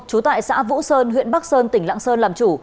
trú tại xã vũ sơn huyện bắc sơn tỉnh lạng sơn làm chủ